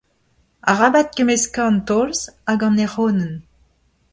Arabat kemmeskañ an tolz hag an ec'honenn.